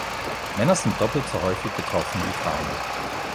Männer sind doppelt so häufig betroffen wie Frauen.